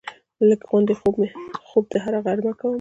لږ غوندې خوب هره غرمه کومه